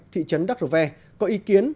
thị trấn đắc rờ ve có ý kiến